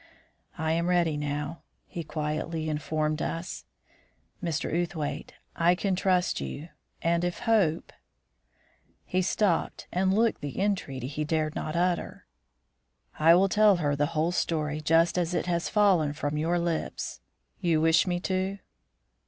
"I am ready now," he quietly informed us. "Mr. Outhwaite, I can trust you; and if Hope " He stopped and looked the entreaty he dared not utter. "I will tell her the whole story just as it has fallen from your lips. You wish me to?"